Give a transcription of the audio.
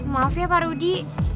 maaf ya pak rudi